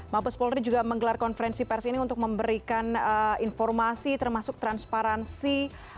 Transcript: mabes polri juga menggelar konferensi pers ini untuk memberikan informasi termasuk transparansi